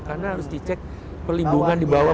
karena harus dicek pelindungan di bawah